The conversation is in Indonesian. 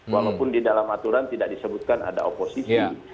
walaupun di dalam aturan tidak disebutkan ada oposisi